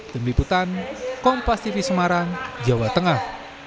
demi putan kompas tv semarang jawa tengah